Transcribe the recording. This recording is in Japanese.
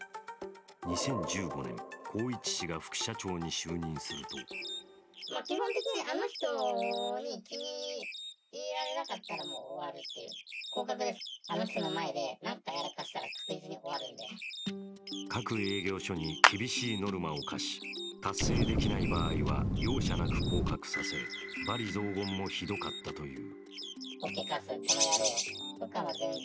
２０１５年、宏一氏が副社長に就任すると各営業所に厳しいノルマを課し達成できない場合は容赦なく降格させ罵詈雑言もひどかったという。